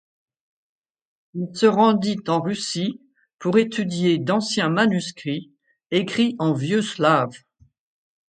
Il se rendit en Russie pour étudier d'anciens manuscrits écrits en vieux-slave.